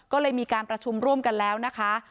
ก็เลยมีการประชุมร่วมกันแล้วนะคะ